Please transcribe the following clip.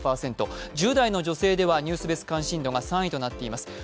１０代の女性ではニュース別関心度３位となっています。